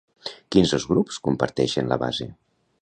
Quins dos grups comparteixen la base?